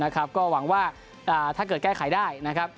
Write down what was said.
ก็หวังว่าถ้าเกิดแก้ไขได้นะครับ